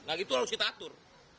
nah itu harus kita atur